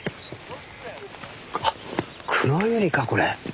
あっクロユリかこれ。